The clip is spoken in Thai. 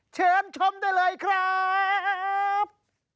เชิญชมได้เลยครับ